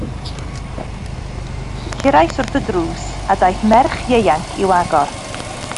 Curais wrth y drws, a daeth merch ieuanc i'w agor.